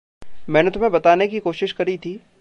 मैंने तुम्हे बताने की कोशिश करी थी।